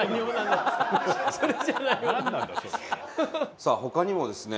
さあ他にもですね